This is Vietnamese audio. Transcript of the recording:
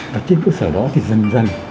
và trên cơ sở đó thì dần dần